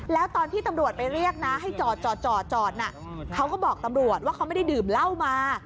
แล้วตอนที่ตำรวจไปเรียกนะให้จอดจอดน่ะเขาก็บอกตำรวจว่าเขาไม่ได้ดื่มเหล้ามา